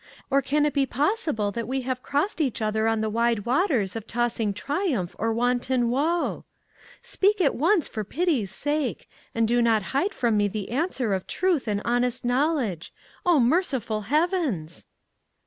or can it be possible that we have crossed each other on the wide waters of tossing triumph or wanton woe? "Speak at once, for pity's sake! and do not hide from me the answer of truth and honest knowledge? Oh, merciful heavens!"